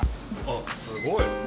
あっすごい！